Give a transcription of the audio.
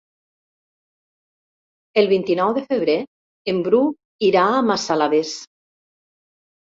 El vint-i-nou de febrer en Bru irà a Massalavés.